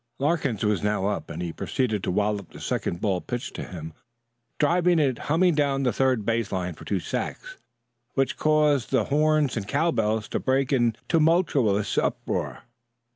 Larkins was now up, and he proceeded to wallop the second ball pitched to him, driving it humming down the third base line for two sacks, which caused the horns and cowbells to break into a tumultuous uproar.